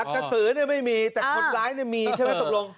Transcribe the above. กระสือไม่มีแต่คนร้ายมีใช่ไหมตกลง